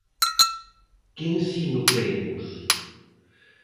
Que ensino queremos?